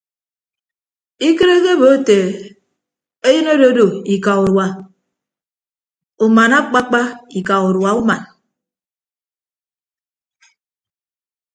Ikịt ekebo ete eyịn ododu ika udua uman akpakpa ika udua uman.